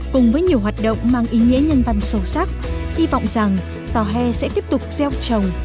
cùng với nhiều hoạt động mang ý nghĩa nhân văn sâu sắc hy vọng rằng tòa hè sẽ tiếp tục gieo trồng